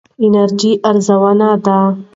انرژي ارزانه ده.